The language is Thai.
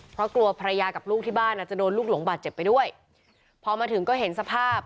เพราะกลัวภรรยากับลูกที่บ้านอาจจะโดนลูกหลงบาดเจ็บไปด้วยพอมาถึงก็เห็นสภาพ